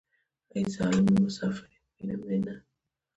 ای ظالمې مسافر يم وينم دې نه.